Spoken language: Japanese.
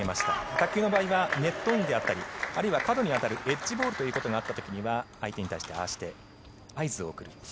卓球の場合はネットインであったりあるいは角に当たるエッジボールがあった時には相手に対してああして合図を送る。